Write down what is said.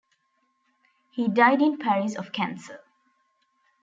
He died in Paris of cancer.